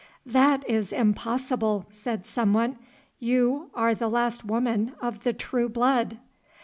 "That is impossible," said some one, "you are the last woman of the true blood."